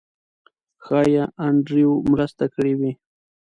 ښایي انډریو مرسته کړې وي.